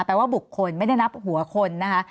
ว่าบุคคลไม่ได้นับหัวคนนะคะ